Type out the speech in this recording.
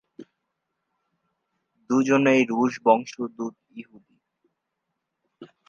দুজনেই রুশ বংশোদ্ভূত ইহুদি।